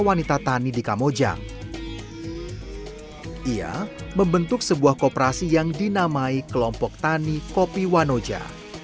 wanita tani di kamojang ia membentuk sebuah kooperasi yang dinamai kelompok tani kopi wanoja